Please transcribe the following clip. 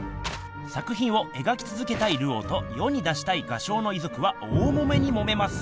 作品をえがきつづけたいルオーと世に出したい画商の遺族は大もめにもめます。